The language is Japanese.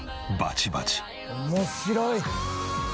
面白い！